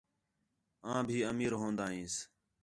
آن بھی امیر ہون٘دا ہینس